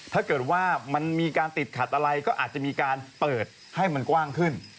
ถ้าเกิดว่ามันมีการติดขัดอะไรก็อาจจะมีการเปิดให้มันกว้างขึ้น